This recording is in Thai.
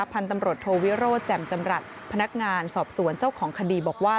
พันธุ์ตำรวจโทวิโรธแจ่มจำรัฐพนักงานสอบสวนเจ้าของคดีบอกว่า